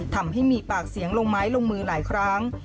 ทำให้มีปากเสียงลงไม้ลงมือหลายครั้ง